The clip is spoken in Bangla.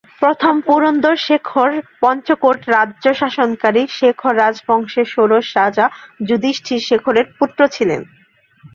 প্রথম পুরন্দর শেখর পঞ্চকোট রাজ্য শাসনকারী শেখর রাজবংশের ষোড়শ রাজা যুধিষ্ঠির শেখরের পুত্র ছিলেন।